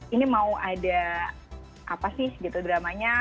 ini mau ada apa sih gitu dramanya